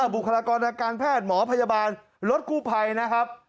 บุคลากรทางการแพทย์หมอพยาบาลรถกู้ภัยนะครับ